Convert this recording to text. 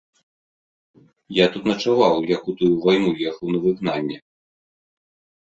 Я тут начаваў, як у тую вайну ехаў на выгнанне.